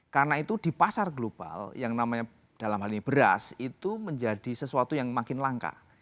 karena itu di pasar global yang namanya dalam hal ini beras itu menjadi sesuatu yang makin langka